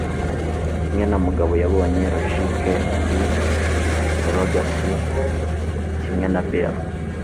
Kimwe na Mugabo, yabonye logique muri surrogacy, kimwe na Bill.